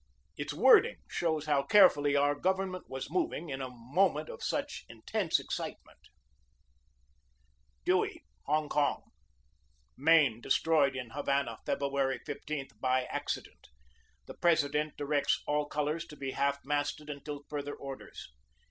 Its wording shows how carefully our government was moving in a moment of such in tense excitement: "DEWEY, Hong Kong: "Maine destroyed at Havana February I5th by accident. The President directs all colors to be half masted until further orders.